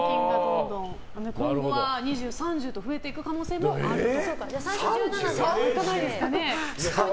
今後は２０、３０と増えていく可能性もあると。